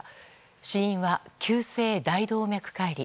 死因は急性大動脈解離。